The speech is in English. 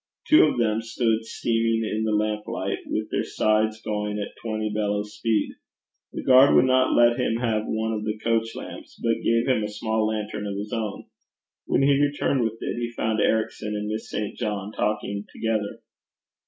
Two of them stood steaming in the lamplight, with their sides going at twenty bellows' speed. The guard would not let him have one of the coach lamps, but gave him a small lantern of his own. When he returned with it, he found Ericson and Miss St. John talking together.